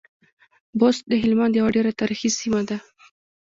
بُست د هلمند يوه ډېره تاريخي سیمه ده.